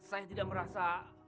saya tidak merasa